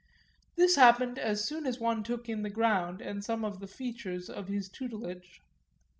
This happened as soon as one took in the ground and some of the features of his tutelage.